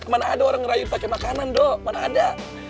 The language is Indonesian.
mana ada orang rayu pake makanan do mana ada